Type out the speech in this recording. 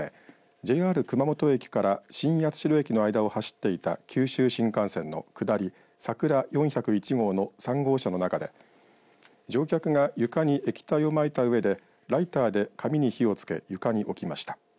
ＪＲ熊本駅から新八代駅の間を走っていた九州新幹線の下りさくら４０１号の３号車の中で乗客が床に液体をまいたうえでライターで紙に火をつけ床に置きました。